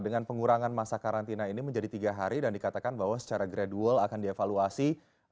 dengan pengurangan masa karantina ini menjadi tiga hari dan dikatakan bahwa secara gradual akan dievaluasi